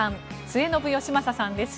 末延吉正さんです